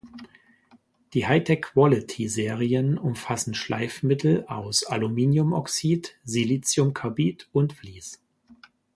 Die High-Quality-Serien umfassen Schleifmittel aus Aluminiumoxid, Siliziumkarbid und Vlies.